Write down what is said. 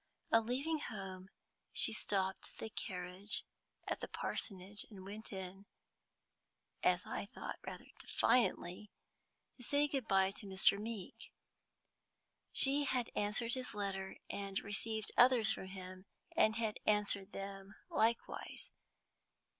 On leaving home she stopped the carriage at the parsonage, and went in (as I thought, rather defiantly) to say good by to Mr. Meeke. She had answered his letter, and received others from him, and had answered them likewise.